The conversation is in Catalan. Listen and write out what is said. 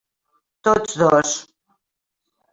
Tots dos.